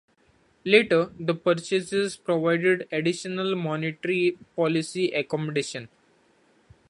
Later, the purchases provided additional monetary policy accommodation.